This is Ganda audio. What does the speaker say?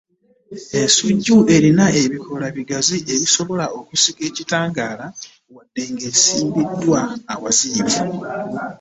Ensujju, erina ebikoola ebigazi ebisobola okusika ekitangaala wadde ng’esimbiddwa awaziyivu.